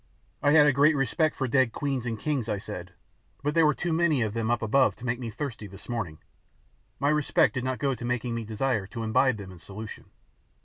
I had a great respect for dead queens and kings, I said, but there were too many of them up above to make me thirsty this morning; my respect did not go to making me desire to imbibe them in solution!